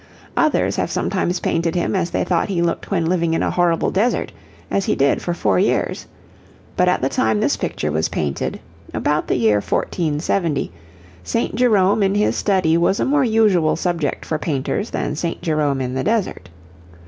Others have sometimes painted him as they thought he looked when living in a horrible desert, as he did for four years. But at the time this picture was painted, about the year 1470, St. Jerome in his study was a more usual subject for painters than St. Jerome in the desert.